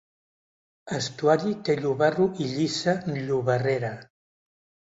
'estuari té llobarro i llissa llobarrera.